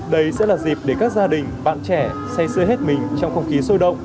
đây sẽ là dịp để các gia đình bạn trẻ say sưa hết mình trong không khí sôi động